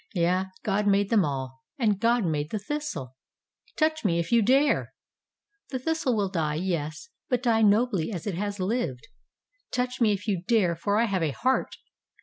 Yea, God made them all, and God made the thistle ! Touch me if you dare! The thistle will die, yes, but die nobly as it has lived. Touch me if you dare, for I have a heart